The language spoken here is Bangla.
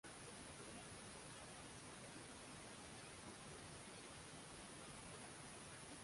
আর মুসলিমদের বেশির ভাগই ইসলামের সুন্নি শাখার অনুসারী।